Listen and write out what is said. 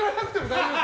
大丈夫？